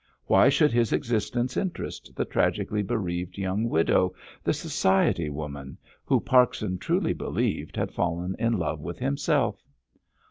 Why should his existence interest the tragically bereaved young widow, the society woman, who Parkson truly believed had fallen in love with himself?